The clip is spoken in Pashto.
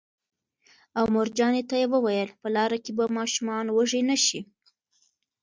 او مورجانې ته یې وویل: په لاره کې به ماشومان وږي نه شي